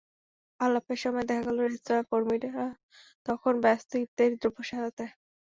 আলাপের সময় দেখা গেল রেস্তোরাঁ কর্মীরা তখন ব্যস্ত ইফতারি দ্রব্য সাজাতে।